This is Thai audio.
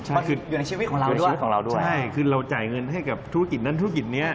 ใช่คืออยู่ในชีวิตของเราด้วยใช่คือเราจ่ายเงินให้กับธุรกิจนั้นธุรกิจนี้